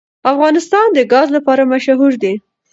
افغانستان د ګاز لپاره مشهور دی.